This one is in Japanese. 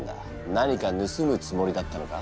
何か盗むつもりだったのか？